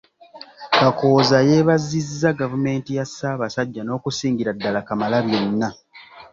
Kakooza yeebazizza Gavumenti ya Ssabasajja, n'okusingira ddala Kamalabyonna.